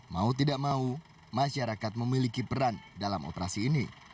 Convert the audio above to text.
mau tidak mau masyarakat memiliki peran dalam operasi ini